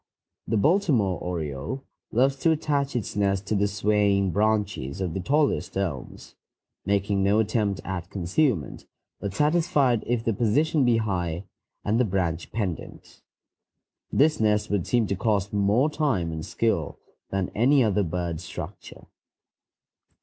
The Baltimore oriole loves to attach its nest to the swaying branches of the tallest elms, making no attempt at concealment, but satisfied if the position be high and the branch pendent. This nest would seem to cost more time and skill than any other bird structure.